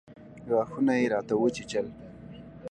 غاښونه يې راته وچيچل.